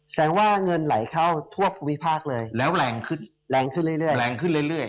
แสดงว่าเงินไหลเข้าทั่วภูมิภาคเลยแล้วแรงขึ้นแรงขึ้นเรื่อยแรงขึ้นเรื่อย